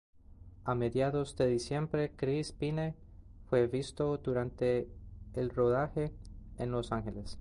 A mediados de diciembre, Chris Pine fue visto durante el rodaje en Los Ángeles.